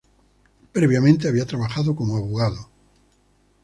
Previamente había trabajado como abogado.